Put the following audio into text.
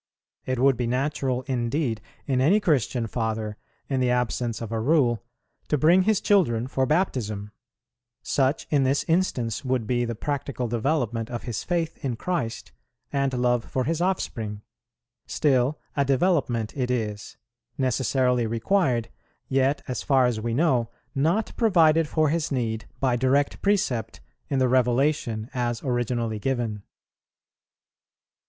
It would be natural indeed in any Christian father, in the absence of a rule, to bring his children for baptism; such in this instance would be the practical development of his faith in Christ and love for his offspring; still a development it is, necessarily required, yet, as far as we know, not provided for his need by direct precept in the Revelation as originally given.